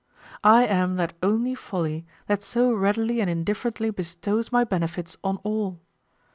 I am that only Folly that so readily and indifferently bestows my benefits on all.